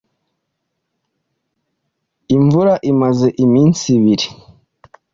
Imvura imaze iminsi ibiri.